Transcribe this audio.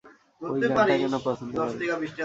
ওই গানটা কেন পছন্দ করেন?